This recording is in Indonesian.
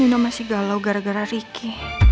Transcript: nino masih galau gara gara riki